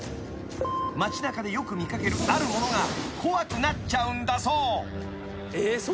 ［町なかでよく見掛けるあるものが怖くなっちゃうんだそう］